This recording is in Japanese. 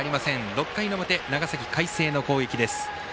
６回の表、長崎の海星の攻撃です。